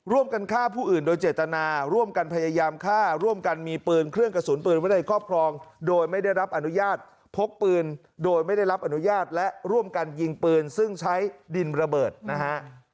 ร่วมกันฆ่าผู้อื่นโดยเจตนาร่วมกันพยายามฆ่าร่วมกันมีปืนเครื่องกระสุนปืนไว้ในครอบครองโดยไม่ได้รับอนุญาตพกปืนโดยไม่ได้รับอนุญาตและร่วมกันยิงปืนซึ่งใช้ดินระเบิดนะฮะ